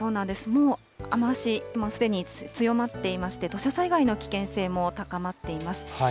もう雨足、もうすでに強まっていまして、土砂災害の危険性も高まっています。